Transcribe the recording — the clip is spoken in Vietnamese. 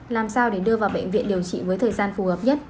làm sao để đưa vào bệnh viện điều trị với thời gian phù hợp nhất